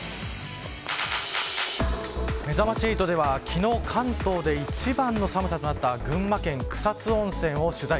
めざまし８では昨日、関東で１番の寒さとなった群馬県草津温泉を取材。